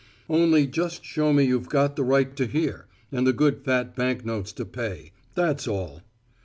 "Only just show me you've got the right to hear, and the good fat bank notes to pay; that's all."